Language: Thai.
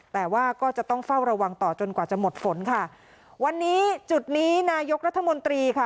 แต่ว่าก็จะต้องเฝ้าระวังต่อจนกว่าจะหมดฝนค่ะวันนี้จุดนี้นายกรัฐมนตรีค่ะ